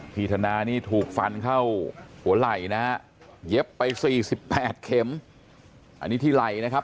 ธนานี่ถูกฟันเข้าหัวไหล่นะฮะเย็บไป๔๘เข็มอันนี้ที่ไหล่นะครับ